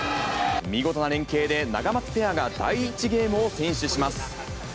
見事な連係で、ナガマツペアが第１ゲームを先取します。